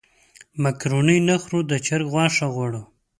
مېکاروني نه خورو د چرګ غوښه غواړو.